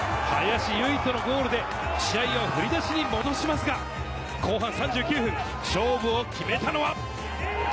林結人のゴールで試合を振り出しに戻しますが、後半３９分、勝負を決めたのは。